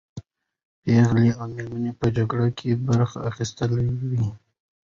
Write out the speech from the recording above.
پېغلې او مېرمنې په جګړه کې برخه اخیستلې وې.